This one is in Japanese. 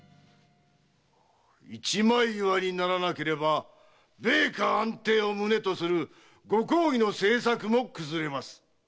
一枚岩にならなければ米価安定を旨とするご公儀の政策も崩れます。